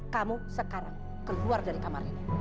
kamu sekarang keluar dari kamar ini